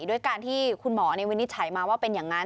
ด้วยการที่คุณหมอในวินิจฉัยมาว่าเป็นอย่างนั้น